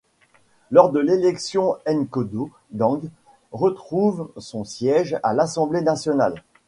Lors de l'élection Nkodo Dang retrouve son siège à l'assemblée nationale.